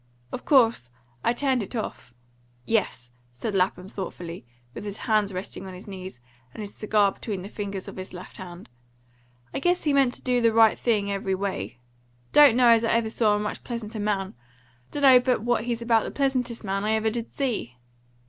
Of course I turned it off. Yes," said Lapham thoughtfully, with his hands resting on his knees, and his cigar between the fingers of his left hand, "I guess he meant to do the right thing, every way. Don't know as I ever saw a much pleasanter man. Dunno but what he's about the pleasantest man I ever did see."